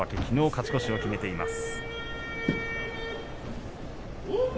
勝ち越しを決めています。